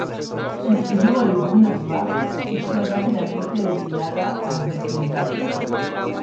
Sufrió algunas bajas, y fue rápidamente obligada a replegarse.